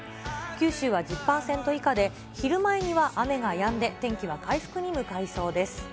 九州は１０％以下で、昼前には雨がやんで、天気は回復に向かいそうです。